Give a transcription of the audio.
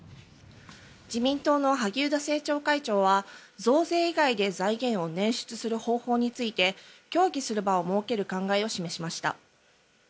自民党の萩生田政調会長は増税以外で財源を捻出する方法について協議する場を設ける考えを示しました。